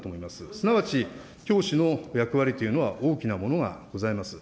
すなわち、教師の役割というのは大きなものがございます。